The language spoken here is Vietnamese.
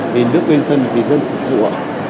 vì nước bên thân vì dân phục vụ